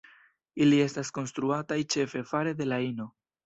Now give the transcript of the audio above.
Ili estas konstruataj ĉefe fare de la ino.